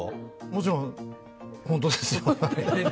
もちろん、本当ですよ。